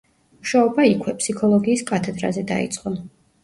მუშაობა იქვე, ფსიქოლოგიის კათედრაზე დაიწყო.